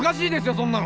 そんなの！